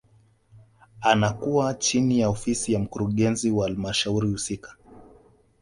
Anakuwa chini ya ofisi ya mkurugenzi wa halmashauri husika